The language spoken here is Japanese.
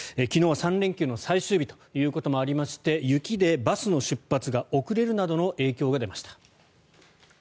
昨日は３連休の最終日ということもありまして雪でバスの出発が遅れるなどの影響が出ました。